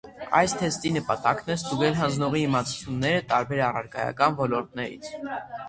Այս թեստի նպատակն է ստուգել հանձնողի իմացությունները տարբեր առարկայական ոլորտներից։